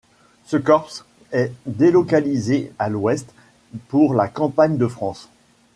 Ce Korps est délocalisé à l'ouest pour la campagne de France.